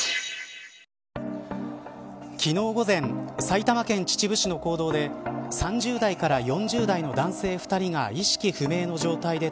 昨日午前埼玉県秩父市の坑道で３０代から４０代の男性２人が意識不明の状態で